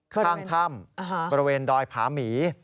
ข้างถ้ำบริเวณดอยผาหมี